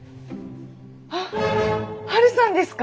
あっハルさんですか？